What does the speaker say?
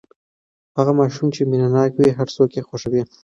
هغه ماشوم چې مینه ناک وي، هر څوک یې خوښوي.